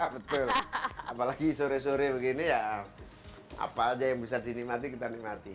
betul apalagi sore sore begini ya apa aja yang bisa dinikmati kita nikmati